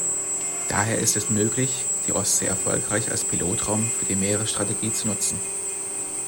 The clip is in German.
Daher ist es möglich, die Ostsee erfolgreich als Pilotraum für die Meeresstrategie zu nutzen.